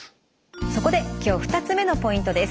そこで今日２つ目のポイントです。